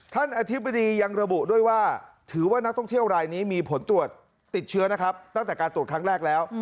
อธิบดียังระบุด้วยว่าถือว่านักท่องเที่ยวรายนี้มีผลตรวจติดเชื้อนะครับตั้งแต่การตรวจครั้งแรกแล้ว